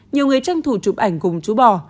nhiều người tranh thủ chụp ảnh cùng chú bò